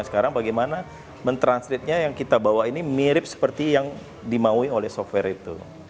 sekarang bagaimana men translate nya yang kita bawa ini mirip seperti yang dimauin oleh software itu